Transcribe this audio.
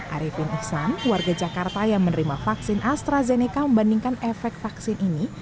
arifin iksan warga jakarta yang menerima vaksin astrazeneca membandingkan efek vaksin ini